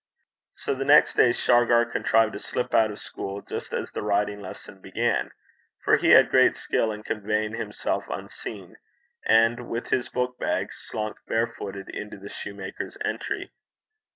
So the next day Shargar contrived to slip out of school just as the writing lesson began, for he had great skill in conveying himself unseen, and, with his book bag, slunk barefooted into the soutar's entry.